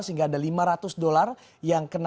sehingga ada lima ratus dolar